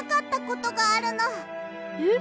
えっ？